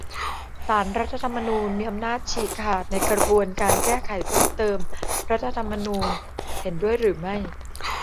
ศาลรัฐธรรมนูญมีอำนาจชี้ขาดในกระบวนการแก้ไขเพิ่มเติมรัฐธรรมนูญ เห็นด้วยหรือไม่ ?